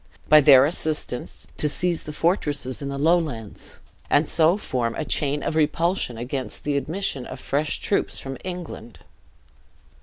By their assistance, to seize the fortresses in the Lowlands, and so form a chain of repulsion against the admission of fresh troops from England.